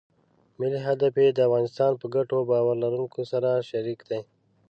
ملي هدف یې د افغانستان په ګټو باور لرونکو سره شریک دی.